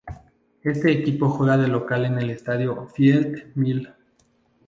Este equipo juega de local en el Estadio Field Mill.